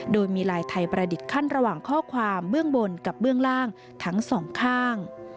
โดยมีลายไทยประดิษฐ์ขั้นระหว่างข้อความเบื้องบนกับเบื้องล่างทั้งสองข้าง